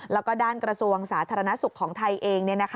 แล้วก็ด้านกระทรวงสาธารณสุขของไทยเอง